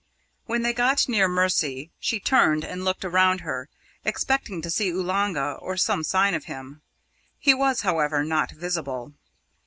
When they got near Mercy, she turned and looked around her, expecting to see Oolanga or some sign of him. He was, however, not visible.